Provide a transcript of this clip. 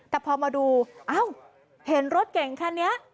แต่พอมาดูอ้าวเห็นรถเก่งค่ะเนี่ย